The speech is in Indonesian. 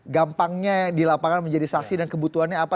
gampangnya di lapangan menjadi saksi dan kebutuhannya apa